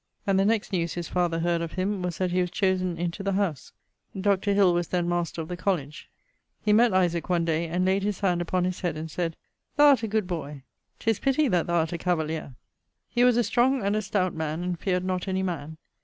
And the next newes his father heard of him was that he was chosen in to the howse. Dr. Hill was then master of the college. He mett Isaac one day and layd his hand upon his head and sayd 'thou art a good boy; 'tis pitty that thou art a cavalier.' He was a strong and a stowt man and feared not any man.